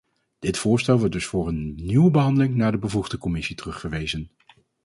Dit voorstel wordt dus voor een nieuwe behandeling naar de bevoegde commissie terugverwezen.